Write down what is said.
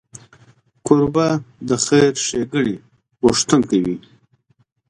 کوربه د خیر ښیګڼې غوښتونکی وي.